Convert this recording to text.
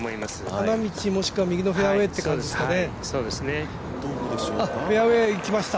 花道、もしくは右のフェアウエーっていう感じですかね。